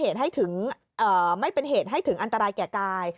ไม่เป็นเหตุให้ถึงอันตรายแก่กาย